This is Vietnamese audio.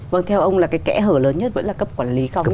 vâng theo ông là cái kẽ hở lớn nhất vẫn là cấp quản lý cao nhất